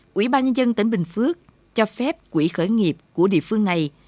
quỹ ba nhân dân tỉnh bình phước cho phép quỹ khởi nghiệp của địa phương này